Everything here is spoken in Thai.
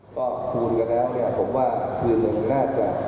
ก็คูณกันแล้วผมว่าคือเหลือง่าจะ